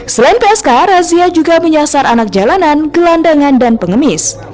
selain psk razia juga menyasar anak jalanan gelandangan dan pengemis